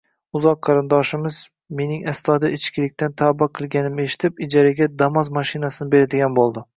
Uzoqroq qarindoshimiz mening astoydil ichkilikdan tavba qilganimni eshitib, ijaraga Damas mashinasini beradigan bo`ldi